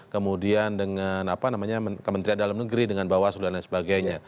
kemudian dengan apa namanya kementerian dalam negeri dengan bawas dan lain sebagainya